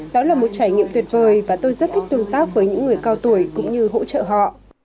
đó là một trải nghiệm tuyệt vời và tôi rất thích tương tác với những người cao tuổi cũng như hỗ trợ họ